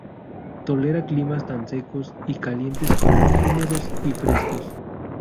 Tolera climas tanto secos y calientes como húmedos y frescos.